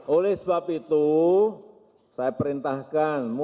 oleh sebab itu saya perintahkan